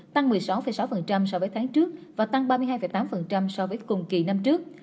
tăng một mươi sáu sáu so với tháng trước và tăng ba mươi hai tám so với cùng kỳ năm trước